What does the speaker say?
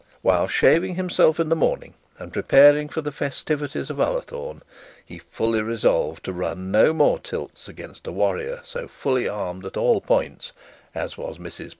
While shaving himself in the morning and preparing for the festivities of Ullathorne, he fully resolved to run no more tilts against a warrior so fully armed at all points as was Mrs Proudie.